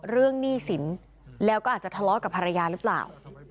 หนี้สินแล้วก็อาจจะทะเลาะกับภรรยาหรือเปล่า